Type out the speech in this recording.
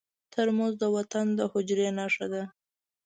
ترموز د وطن د حجرې نښه ده.